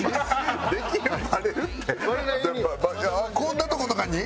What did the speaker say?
こんなとことかに？